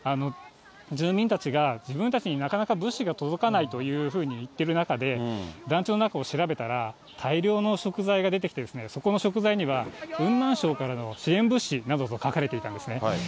住民たちが、自分たちになかなか物資が届かないというふうに言っている中で、団地の中を調べたら、大量の食材が出てきてですね、そこの食材には、雲南省からの支援物資などと書かれていたんですね。